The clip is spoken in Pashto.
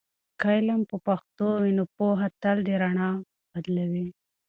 که علم په پښتو وي، نو پوهه تل د رڼا بدلوي.